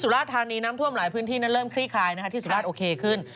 ร้านโอเคขึ้น